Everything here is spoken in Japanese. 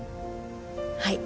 はい。